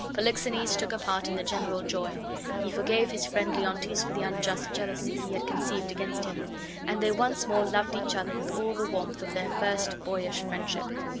Polixenes took a part in the general joy; he forgave his friend Leontes the unjust jealousy he had conceived against him, and they once more loved each other with all the warmth of their first boyish friendship.